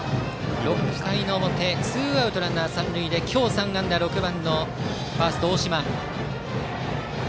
６回の表、ツーアウトランナー、三塁で今日３安打、６番のファースト大島。